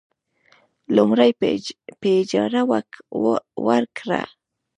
لومړی: په اجارې ورکړه.